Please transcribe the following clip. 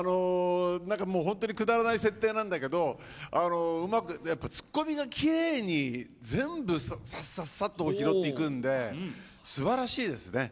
本当にくだらない設定なんだけどうまく、ツッコミがきれいに全部、さっさっさっと拾っていくのですばらしいですね。